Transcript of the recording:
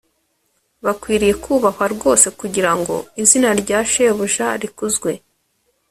bakwiriye kubahwa rwose kugira ngo izina rya shebuja rikuzwe